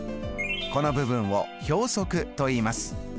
この部分を表側といいます。